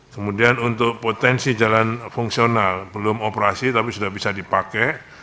kemudian untuk potensi jalan fungsional belum operasi tapi sudah bisa dipakai